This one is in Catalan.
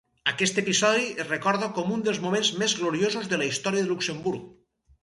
Aquest episodi es recorda com un dels moments més gloriosos de la història de Luxemburg.